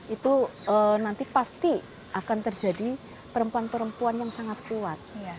itu nanti pasti akan terjadi perempuan perempuan yang sangat kuat